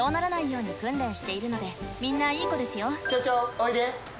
おいで。